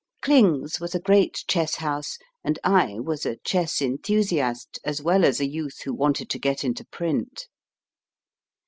Kling s was a great chess house, and I was a chess enthusiast, as well as a youth who wanted to get into print.